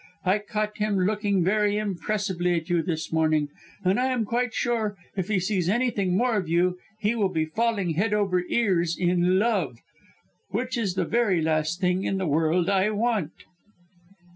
I caught him looking very impressibly at you this morning, and I am quite sure, if he sees anything more of you, he will be falling head over ears in love. Which is the very last thing in the world I want!"